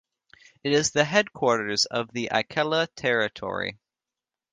It is the headquarters of the Ikela Territory.